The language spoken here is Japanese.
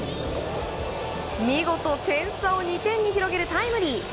見事、点差を２点に広げるタイムリー。